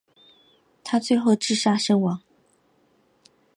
他最后自杀身亡。